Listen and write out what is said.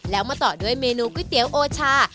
แล้วมาต่อด้วยเมนูก๋วยเตี๋ยวโอชา